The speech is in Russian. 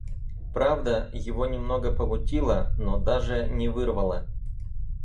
Правда, его немного помутило, но даже не вырвало.